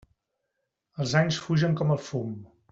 Els anys fugen com el fum.